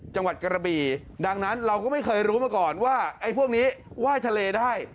จังหวัดกระบีดังนั้นเราก็ไม่เคยรู้มาก่อนว่าไอ้พวกนี้ไหว้ทะเลได้